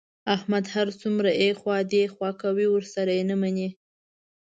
احمد هر څومره ایخوا دیخوا کوي، ورسره یې نه مني.